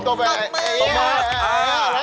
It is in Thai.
ตบอย่างเดียว